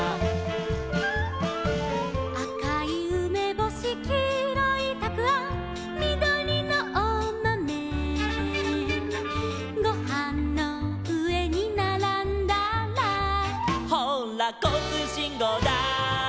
「あかいうめぼし」「きいろいたくあん」「みどりのおまめ」「ごはんのうえにならんだら」「ほうらこうつうしんごうだい」